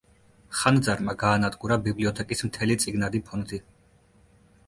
ხანძარმა გაანადგურა ბიბლიოთეკის მთელი წიგნადი ფონდი.